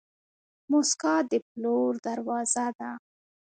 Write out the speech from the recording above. موسکا د پلور دروازه ده.